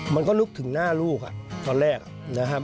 มันก็ลึกถึงหน้าลูกตอนแรกนะครับ